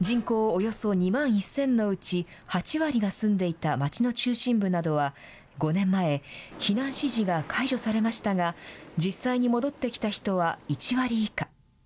およそ２万１０００のうち、８割が住んでいた町の中心部などは、５年前、避難指示が解除されましたが、実際に戻ってきた人は１割以下。